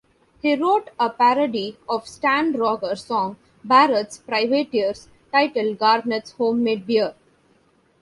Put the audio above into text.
He wrote a parody of Stan Rogers song "Barrett's Privateers", titled "Garnet's Homemade Beer".